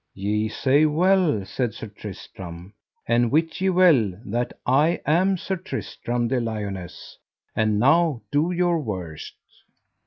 Ye say well, said Sir Tristram, and wit ye well that I am Sir Tristram de Liones, and now do your worst.